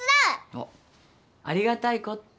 おっありがたいこった。